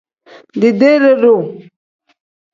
Dideere-duu.